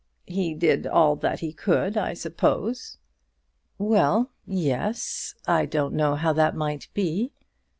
"He did all that he could, I suppose?" "Well; yes. I don't know how that might be."